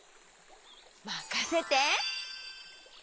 まかせて！